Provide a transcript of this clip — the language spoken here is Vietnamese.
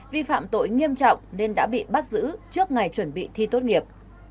vi phạm tội nghiêm trọng nên đã bị bắt giữ trước ngày chuẩn bị thi tốt nghiệp